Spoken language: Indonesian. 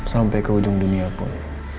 sampai ke ujung dunia pun